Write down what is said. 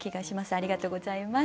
ありがとうございます。